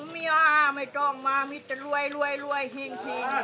แม่ว่าไม่ต้องว่ามีจะรวยพิง